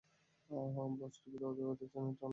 বস, টিভিতে ওয়েদার চ্যানেলটা একটু অন করুন!